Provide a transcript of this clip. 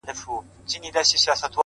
تا ولي له بچوو سره په ژوند تصویر وانخیست;